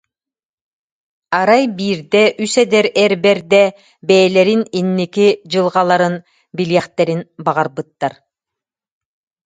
Арай биирдэ үс эдэр эр бэрдэ бэйэлэрин инники дьылҕаларын билиэхтэрин баҕарбыттар